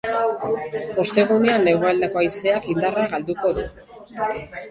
Ostegunean hegoaldeko haizeak indarra galduko du.